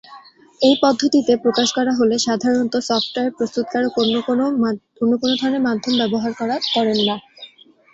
এই পদ্ধতিতে প্রকাশ করা হলে সাধারণত সফটওয়্যার প্রস্তুতকারক অন্য কোনো ধরনের মাধ্যম ব্যবহার করেন না।